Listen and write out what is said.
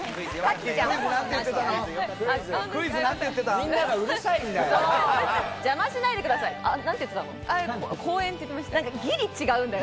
みんながうるさいんだよ。